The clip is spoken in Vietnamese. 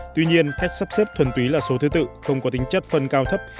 tuy nhiên cách sắp xếp thuần túy là số thứ tự không có tính chất phân cao thấp